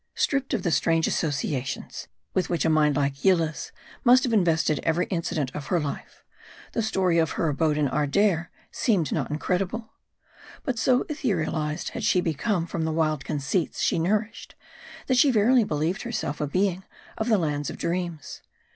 STRIPPED of the strange associations, with which a mind like Yillah's must have invested every incident of her life, the story of her abode in Ardair seemed not incredible. But so etherealized had she become from the wild conceits she nourished, that she verily believed herself a being of the lands of dreams.